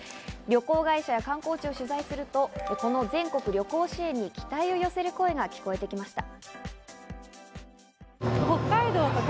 旅行会社や観光地を取材すると、この全国旅行支援に期待を寄せる声が聞こえてきました。